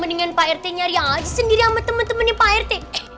mendingan pak rete nyari aja sendiri sama temen temennya pak rete